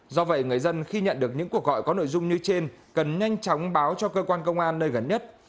do vậy người dân khi nhận được những cuộc gọi có nội dung như trên cần nhanh chóng báo cho cơ quan công an nơi gần nhất